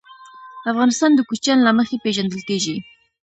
افغانستان د کوچیان له مخې پېژندل کېږي.